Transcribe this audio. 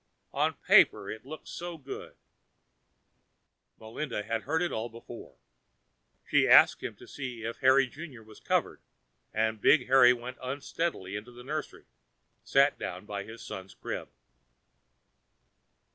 On paper it looked so good " Melinda had heard it all before. She asked him to see if Harry Junior was covered, and Big Harry went unsteadily into the nursery, sat down by his son's crib.